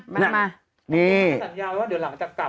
มานี่นายกก็สัญญาวว่าเดี๋ยวหลังจากกลับ